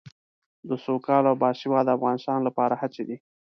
د سوکاله او باسواده افغانستان لپاره هڅې دي.